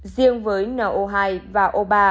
riêng với no hai và o ba